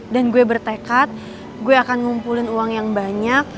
dan gue bertekad gue akan ngumpulin uang yang banyak